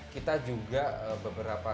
kita juga beberapa